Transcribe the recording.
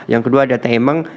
yang kedua ada timing